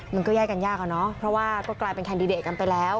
มันก็แยกกันยากอะเนาะเพราะว่าก็กลายเป็นแคนดิเดตกันไปแล้ว